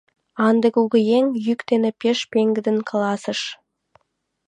А ынде кугыеҥ йӱк дене пеш пеҥгыдын каласыш: